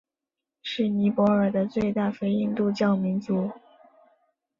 是尼泊尔的最大非印度教民族。